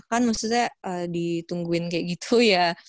kan maksudnya ditungguin kayak gitu ya